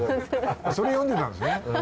それ読んでたんですね。